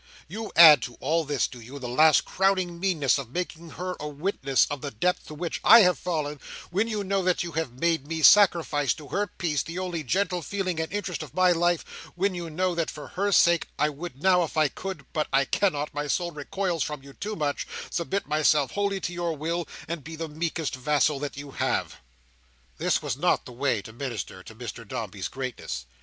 You add to all this, do you, the last crowning meanness of making her a witness of the depth to which I have fallen; when you know that you have made me sacrifice to her peace, the only gentle feeling and interest of my life, when you know that for her sake, I would now if I could—but I can not, my soul recoils from you too much—submit myself wholly to your will, and be the meekest vassal that you have!" This was not the way to minister to Mr Dombey's greatness.